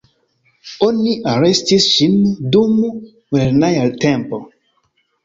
Oni arestis ŝin dum lerneja tempo.